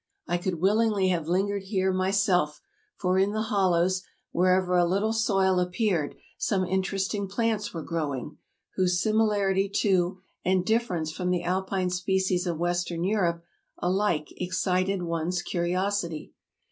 I could willingly have lingered here my self; for in the hollows, wherever a little soil appeared, some interesting plants were growing, whose similarity to and difference from the Alpine species of Western Europe alike excited one's curiosity.